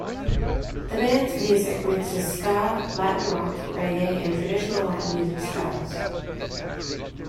The band's music mixes ska, latin rock, reggae and traditional Latin music styles.